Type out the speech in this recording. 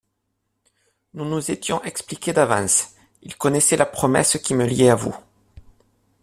Nous nous étions expliqués d'avance, il connaissait la promesse, qui me liait à vous.